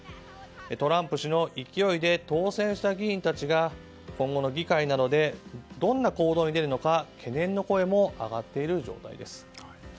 トランプ氏の勢いで当選した議員たちが今後の議会などでどんな行動に出るのか懸念の声も上がっている状態です。